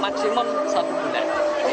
maksimum satu bulan